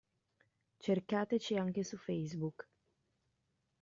Cercateci anche su Facebook.